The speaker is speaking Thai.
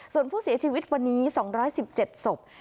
ส่วนผู้เสียชีวิตวันนี้๒๑๗ศพ